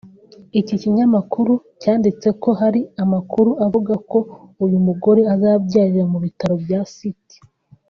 Iki kinyamakuru cyanditse ko hari amakuru avuga ko uyu mugore azabyarira mu bitaro bya St